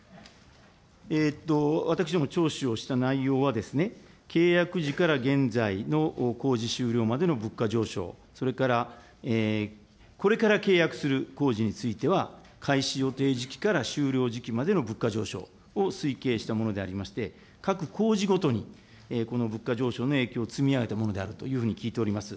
私ども聴取をした内容はですね、契約時から現在の工事終了までの物価上昇、それからこれから契約する工事については開始予定時期から終了時期までの物価上昇を推計したものでありまして、各工事ごとにこの物価上昇の影響を積み上げたものであるというふうに聞いております。